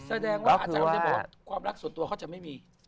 อาจารย์ไม่ได้บอกว่าความรักส่วนตัวเขาจะไม่มี